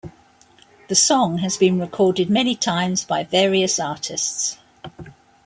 The song has been recorded many times by various artists.